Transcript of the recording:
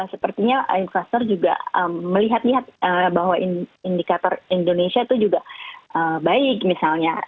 sepertinya investor juga melihat lihat bahwa indikator indonesia itu juga baik misalnya